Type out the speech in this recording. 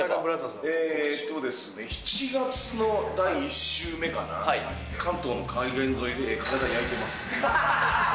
えっと、７月の第１週目かな、関東の海岸沿いで体焼いてます。